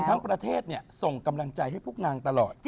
ทั้งประเทศส่งกำลังใจให้พวกนางตลอด